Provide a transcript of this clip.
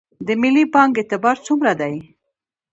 د ملي بانک اعتبار څومره دی؟